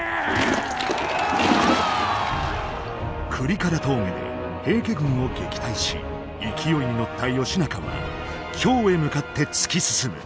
倶利伽羅峠で平家軍を撃退し勢いに乗った義仲は京へ向かって突き進む。